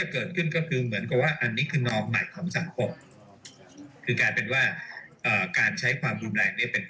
ก็คือก็คือเหมือนต้องปรับจุนความรู้สึกลงในคำถามนิดนึง